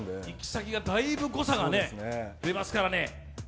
行き先がだいぶ誤差が出ますからね。